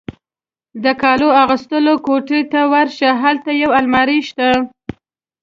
د کالو اغوستلو کوټې ته ورشه، هلته یو المارۍ شته.